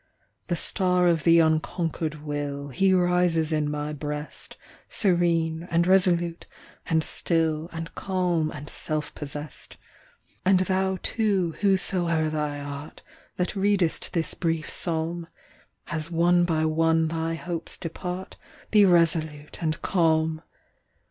The star of the unconquered will, He rises in my breast, Serene, and resolute, and still, And calm, and self possessed. And thou, too, whosoe'er thou art, That readest this brief psalm, As one by one thy hopes depart, Be resolute and calm.